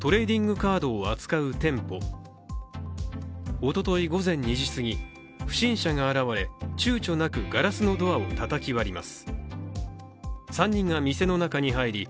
おととい午前２時すぎ、不審者が現れちゅうちょなく店の外に出ていきます。